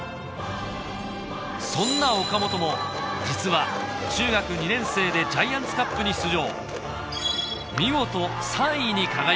そんな岡本も実は中学２年生でジャイアンツカップに出場